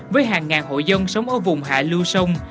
với hàng ngàn hộ dân sống ở vùng hạ lưu sông